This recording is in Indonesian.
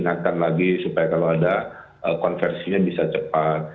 ingatkan lagi supaya kalau ada konversinya bisa cepat